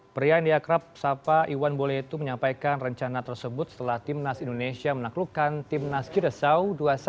pria india krab sapa iwan bole itu menyampaikan rencana tersebut setelah timnas indonesia menaklukkan timnas jiresaw dua puluh satu